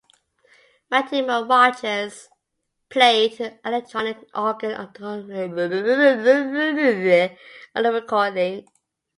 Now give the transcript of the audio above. Mighty Mo Rodgers played the electronic organ on the recording.